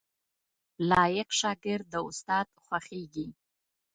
لايق شاګرد د استاد خوښیږي